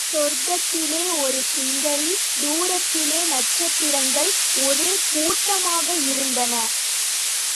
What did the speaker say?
சொர்க்கத்திலே ஒரு சுந்தரி தூரத்திலே நட்சத்திரங்கள் ஒரே கூட்டமாக இருந்தன.